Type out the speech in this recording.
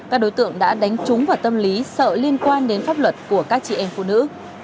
các đối tượng đã đánh trúng vào tâm lý sợ liên quan đến pháp luật của các chị em phụ nữ